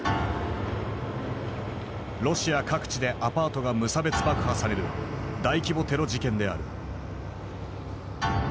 ロシア各地でアパートが無差別爆破される大規模テロ事件である。